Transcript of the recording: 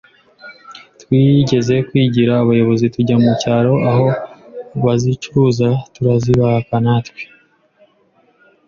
twigeze kwigira abayobozi, tujya mu cyaro aho bazicuruzaga turazibaka natwe